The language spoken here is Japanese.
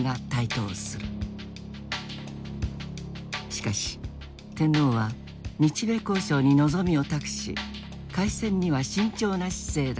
しかし天皇は日米交渉に望みを託し開戦には慎重な姿勢だった。